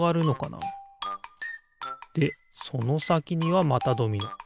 でそのさきにはまたドミノ。